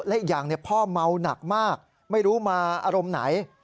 และอีกอย่างพ่อเมาหนักมากไม่รู้มาอารมณ์ไหน